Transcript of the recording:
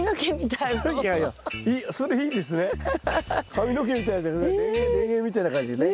髪の毛みたいでレゲエみたいな感じでね。